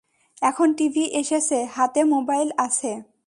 এখন টিভি এসেছে, হাতে মোবাইল আছে।